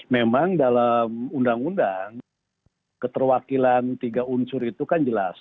memang dalam undang undang keterwakilan tiga unsur itu kan jelas